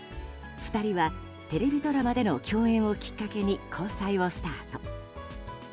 ２人はテレビドラマでの共演をきっかけに交際をスタート。